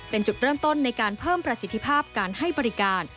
เป็นจุดเริ่มต้นในการเพิ่มประสิทธิภาพการให้บริการ